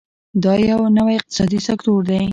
دا یو نوی اقتصادي سکتور دی.